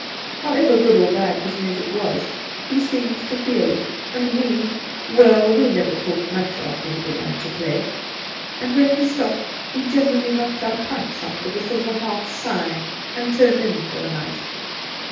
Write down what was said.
However good or bad his music was, he seemed to feel it, and we — well, we never talked much after he began to play ; and when he stopped, we generally knocked our pipes out with a sort of half sigh, and turned in for the night.